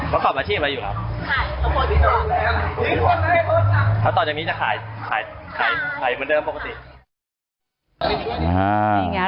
๖ล้านมีอะไรเข้าฝั่นไหมครับหรืยังไง